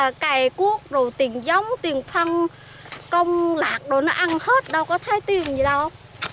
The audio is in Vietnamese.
mình thả mía vậy là cày cuốc rồi tiền giống tiền phân công lạc nó ăn hết đâu có thấy tiền gì đâu